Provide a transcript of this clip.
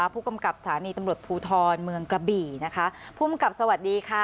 ผู้กำกับสถานีตำรวจภูทรเมืองกระบี่นะคะภูมิกับสวัสดีค่ะ